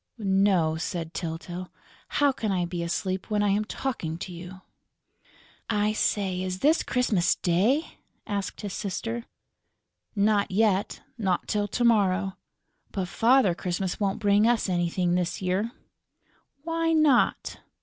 "No," said Tyltyl. "How can I be asleep, when I'm talking to you?" "I say, is this Christmas Day?" asked his sister. "Not yet; not till to morrow. But Father Christmas won't bring us anything this year." "Why not?"